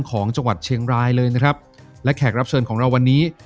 ของจังหวัดเชียงรายเลยนะครับและแขกรับเชิญของเราวันนี้